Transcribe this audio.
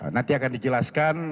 nanti akan dijelaskan